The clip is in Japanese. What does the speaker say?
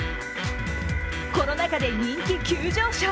コロナ禍で人気急上昇！